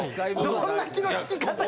どんな気のひき方や。